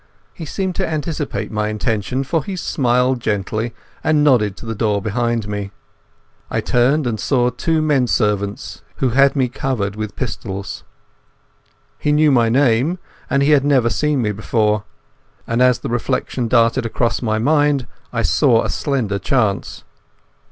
He seemed to anticipate my intention, for he smiled gently, and nodded to the door behind me. I turned, and saw two men servants who had me covered with pistols. He knew my name, but he had never seen me before. And as the reflection darted across my mind I saw a slender chance.